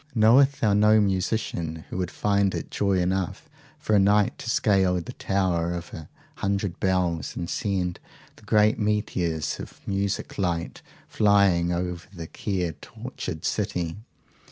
Knowest thou no musician who would find it joy enough for a night, to scale the tower of a hundred bells, and send the great meteors of music light flying over the care tortured city?